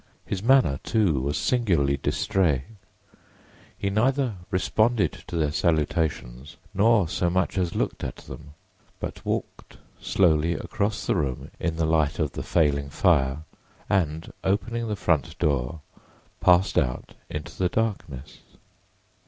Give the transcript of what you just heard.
His manner, too, was singularly distrait: he neither responded to their salutations nor so much as looked at them, but walked slowly across the room in the light of the failing fire and opening the front door passed out into the darkness.